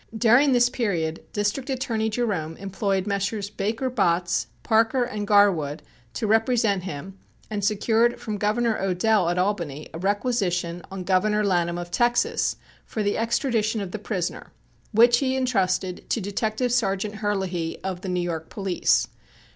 During this period District Attorney Jerome employed Messrs. Baker Botts, Parker and Garwood to represent him and secured from Governor Odell at Albany a requisition on Governor Lanham of Texas for the extradition of the prisoner, which he entrusted to Detective Sergeant Herlihy of the New York Police.